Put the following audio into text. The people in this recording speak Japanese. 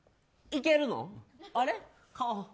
いけるの。